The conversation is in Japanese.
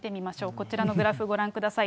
こちらのグラフご覧ください。